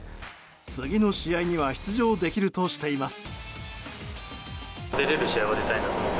次の試合には出場できるとしています。